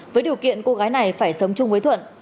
với điều kiện cô gái này phải sống chung với thuận